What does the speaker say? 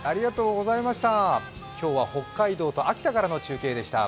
今日は北海道と秋田からの中継でした。